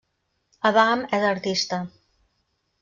Adam és artista.